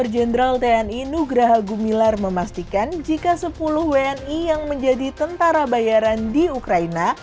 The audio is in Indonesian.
jenderal tni nugraha gumilar memastikan jika sepuluh wni yang menjadi tentara bayaran di ukraina